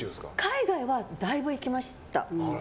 海外はだいぶ行きました。